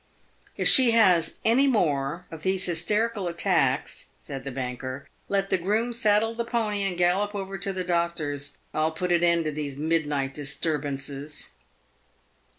" If she has any more of these hysterical attacks," said the banker, " let the groom saddle the pony, and gallop over to the doctor's. I'll pnt an end to these midnight disturbances."